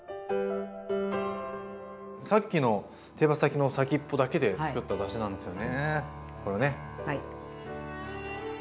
さっきの手羽先の先っぽだけで作っただしなんですよねこれね。